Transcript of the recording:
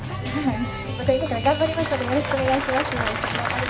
また今から頑張りますので、よろしくお願いします。